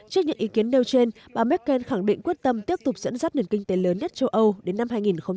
trước những ý kiến nêu trên bà merkel khẳng định quyết tâm tiếp tục dẫn dắt nền kinh tế lớn nhất châu âu đến năm hai nghìn hai mươi